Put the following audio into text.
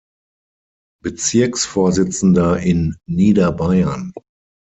Bezirksvorsitzender in Niederbayern.